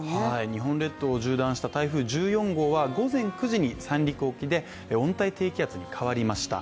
日本列島を縦断した台風１４号は午前９時に三陸沖で温帯低気圧に変わりました。